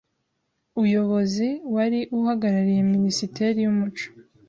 uyobozi wari uhagarariye Minisiteri y’Umuco